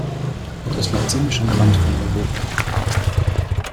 Das liegt ziemlich am Rand von Europa.